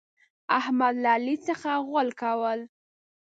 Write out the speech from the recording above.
احمد له علي څخه غول کول.